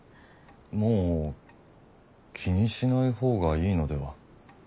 もう気にしない方がいいのでは？